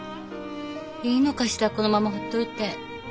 いいのかしらこのままほっといて。